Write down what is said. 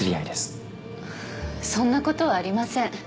そんな事はありません。